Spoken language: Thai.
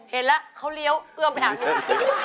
เห็นแล้วเขาเลี้ยวเอื้อมไปหางู